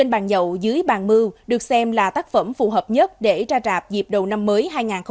bàn dậu dưới bàn mưu được xem là tác phẩm phù hợp nhất để ra rạp dịp đầu năm mới hai nghìn hai mươi bốn